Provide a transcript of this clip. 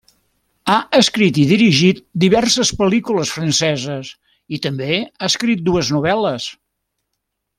Ha escrit i dirigit diverses pel·lícules franceses i també ha escrit dues novel·les.